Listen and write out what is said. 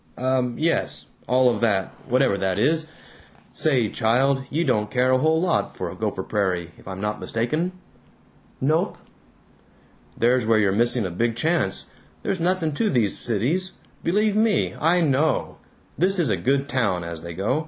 Um. Yes. All of that, whatever that is. ... Say, child, you don't care a whole lot for Gopher Prairie, if I'm not mistaken." "Nope." "There's where you're missing a big chance. There's nothing to these cities. Believe me, I KNOW! This is a good town, as they go.